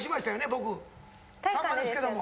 僕さんまですけども！